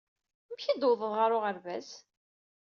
Amek ay d-tewwḍed ɣer uɣerbaz?